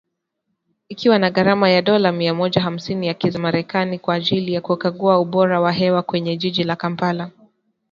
Ikiwa na gharama ya dola mia moja hamsini za kimerekani kwa ajili ya kukagua ubora wa hewa kwenye jiji la Kampala.